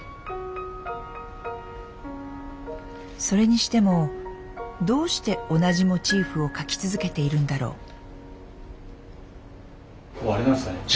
それにしてもどうして同じモチーフを描き続けているんだろう。